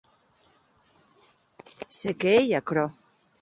Se qué ei aquerò?